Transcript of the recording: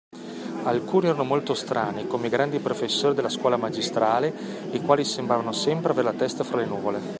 Alcuni erano molto strani, come i grandi professori della Scuola Magistrale, i quali sembravano sempre avere la testa tra le nuvole.